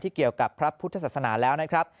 เกี่ยวกับพระพุทธศาสนาแล้วนะครับ